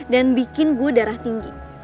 dan bikin gue darah tinggi